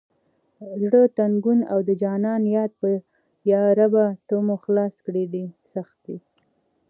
زړه تنګون او د جانان یاد یا ربه ته مو خلاص کړه دې سختي…